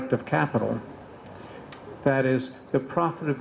maka itu adalah kebijakan fiskal